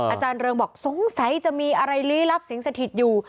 อาจารย์เริงบอกสงสัยจะมีอะไรลี้ลับสิงสถิตอยู่